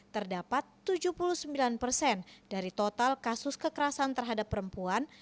terdapat tujuh puluh sembilan persen dari total kasus kekerasan terhadap perempuan